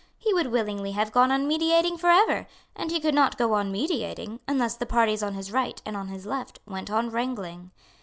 He would willingly have gone on mediating for ever; and he could not go on mediating, unless the parties on his right and on his left went on wrangling.